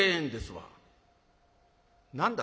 「何だ